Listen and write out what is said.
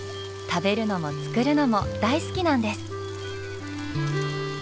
食べるのも作るのも大好きなんです。